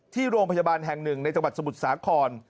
ที่โรงพยาบาลแห่งหนึ่งในจังหวัดสมุทรสาคร